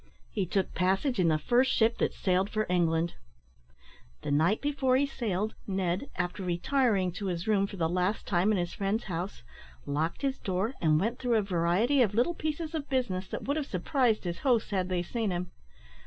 He took passage in the first ship that sailed for England. The night before he sailed, Ned, after retiring to his room for the last time in his friend's house, locked his door, and went through a variety of little pieces of business that would have surprised his hosts had they seen him.